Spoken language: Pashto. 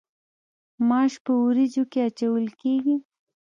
ماش په وریجو کې اچول کیږي.